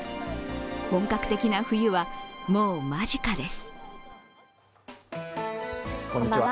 本格的な冬は、もう間近です。